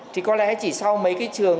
thì có lẽ chỉ sau mấy cái trường